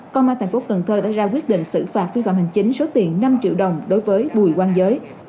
công an tp cn đã ra quyết định xử phạt vi phạm hành chính số tiền năm triệu đồng đối với bùi quang giới